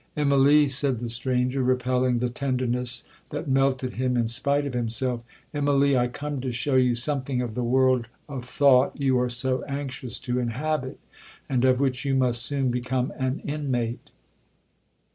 '—'Immalee,' said the stranger, repelling the tenderness that melted him in spite of himself, 'Immalee, I come to shew you something of the world of thought you are so anxious to inhabit, and of which you must soon become an inmate.